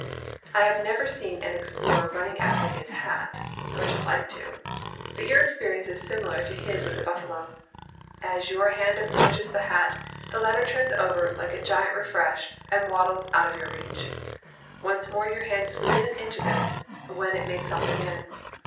I have never seen an explorer running after his hat (though I should like to), but your experience is similar to his with the buffalo. As your hand approaches the hat, the latter turns over like a giant refreshed, and waddles out of your reach. Once more your hand is within an inch of it, when it makes off again.